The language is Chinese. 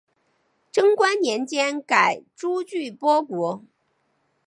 贞观年间改朱俱波国。